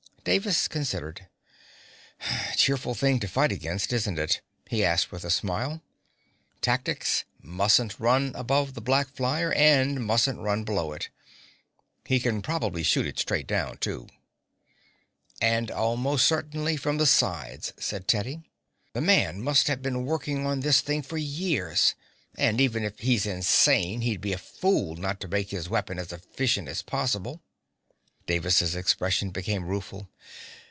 Davis considered: "Cheerful thing to fight against, isn't it?" he asked, with a smile. "Tactics, mustn't run above the black flyer and mustn't run below it. He can probably shoot it straight down, too." "And almost certainly from the sides," said Teddy. "The man must have been working on this thing for years, and even if he's insane he'd be a fool not to make his weapon as efficient as possible." Davis' expression became rueful.